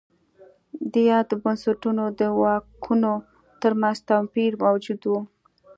د یادو بنسټونو د واکونو ترمنځ توپیر موجود و.